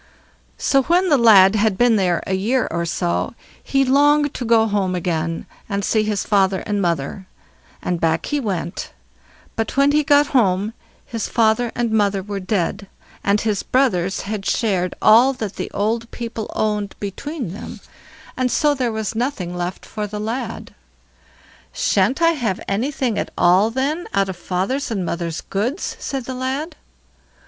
So when the lad had been there a year or so, he longed to go home again and see his father and mother, and back he went, but when he got home his father and mother were dead, and his brothers had shared all that the old people owned between them, and so there was nothing left for the lad. "Shan't I have anything at all, then, out of father's and mother's goods?" said the lad.